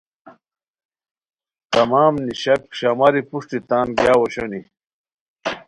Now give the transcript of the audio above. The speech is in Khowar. تمام نیشاک شاماری پروشٹی تان گیاؤ اوشونی